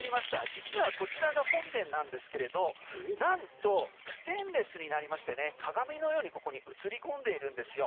実はこちらが本殿なんですけれどなんとステンレスになりまして鏡のようにここに映り込んでいるんですよ。